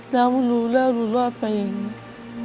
แล้วหนูแล้วหนูรอดไปอย่างนี้